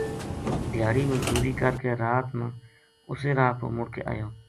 دھیاڑی مزدوری کر کے رات نا اُسے راہ پو مُڑ کے اَیو